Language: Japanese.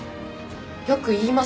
よく言いますよ。